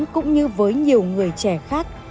cũng như với nhiều người trẻ khác